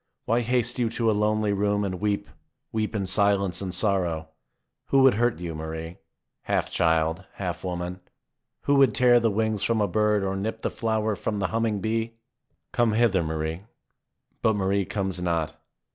Why haste you to a lonely room and weep, weep in silence and sorrow ? Who would hurt you, Marie, half child, half woman? Who would tear the wings from a bird or nip the flower from the humming bee? Come hither, Marie ! But Marie comes not.